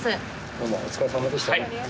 どうもお疲れさまでした。